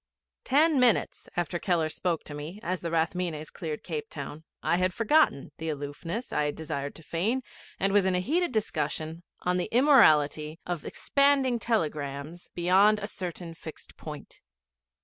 Ten minutes after Keller spoke to me, as the Rathmines cleared Cape Town, I had forgotten the aloofness I desired to feign, and was in heated discussion on the immorality of expanding telegrams beyond a certain fixed point.